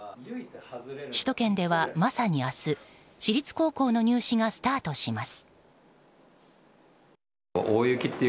首都圏ではまさに明日私立高校の入試がスタートします。